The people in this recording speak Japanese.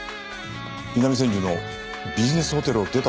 南千住のビジネスホテルを出たところで見失った？